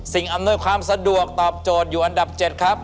อำนวยความสะดวกตอบโจทย์อยู่อันดับ๗ครับ